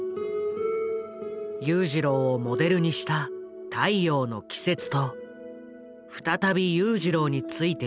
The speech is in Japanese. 裕次郎をモデルにした「太陽の季節」と再び裕次郎についてつづった「弟」。